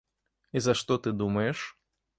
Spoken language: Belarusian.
І за што ты думаеш?